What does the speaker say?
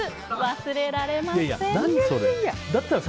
忘れられません。